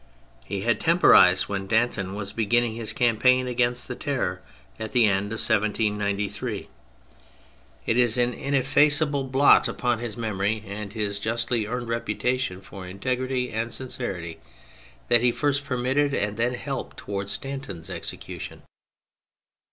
He had temporised when Danton was beginning his campaign against the Terror at the end of 1793, and it is an ineffaceable 140 THE FRENCH REVOLUTION blot upon his memory and his justly earned reputation for integrity and sincerity, that he first permitted and then helped towards Danton's execution.